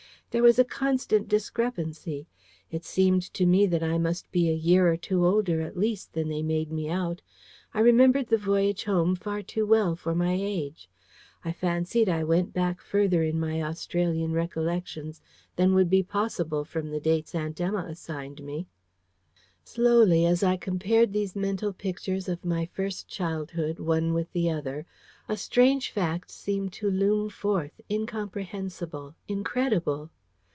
There was a constant discrepancy. It seemed to me that I must be a year or two older at least than they made me out. I remembered the voyage home far too well for my age. I fancied I went back further in my Australian recollections than would be possible from the dates Aunt Emma assigned me. Slowly, as I compared these mental pictures of my first childhood one with the other, a strange fact seemed to loom forth, incomprehensible, incredible.